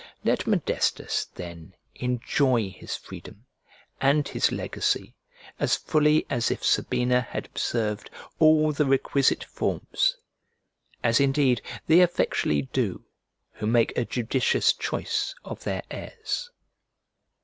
Let Modestus then enjoy his freedom and his legacy as fully as if Sabina had observed all the requisite forms, as indeed they effectually do who make a judicious choice of their heirs.